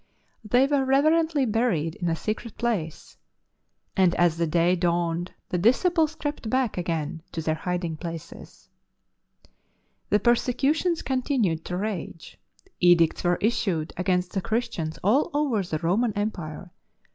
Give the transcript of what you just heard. They w^ere reyerently buried in a secret place, and as the day dawned the dis ciples crept back again to their The persecution continued to rage, were issued against the Christians all over tte Roman Empire.